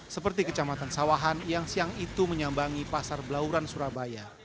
seperti kecamatan sawahan yang siang itu menyambangi pasar belauran surabaya